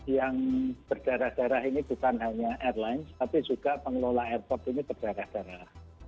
yang berdarah darah ini bukan hanya airlines tapi juga pengelola airport ini berdarah darah